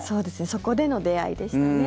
そこでの出会いでしたね。